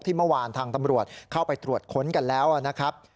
เมื่อวานทางตำรวจเข้าไปตรวจค้นกันแล้วนะครับ